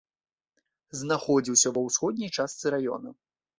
Знаходзіўся ва ўсходняй частцы раёна.